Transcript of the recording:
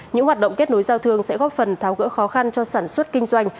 những hoạt động kết nối giao thương sẽ góp phần tháo gỡ khó khăn cho sản xuất kinh doanh